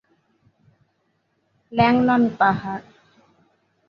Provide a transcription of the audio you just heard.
ন্যাং নন পাহাড়।